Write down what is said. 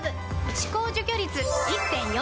歯垢除去率 １．４ 倍！